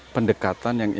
pendekatan yang imbat